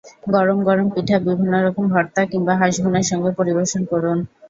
গরম গরম পিঠা বিভিন্ন রকম ভর্তা কিংবা হাঁস ভুনার সঙ্গে পরিবেশন করুন।